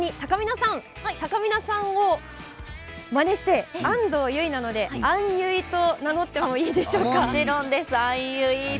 たかみなさんをまねして安藤結衣なので、あんゆいと名乗っていいですか？